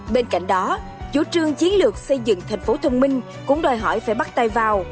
bên cạnh đó chủ trương chiến lược xây dựng thành phố thông minh cũng đòi hỏi phải bắt tay vào